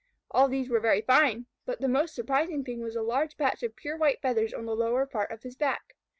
All these were very fine, but the most surprising thing was a large patch of pure white feathers on the lower part of his back.